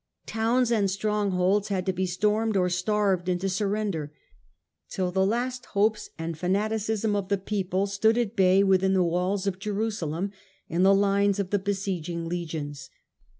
Towns and strongholds had to be stormed or starved into surrender, till the last hopes and fana ticism of the people stood at bay within the walls of Jerusalem and the lines of the besieging legions.